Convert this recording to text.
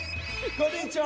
こんにちは！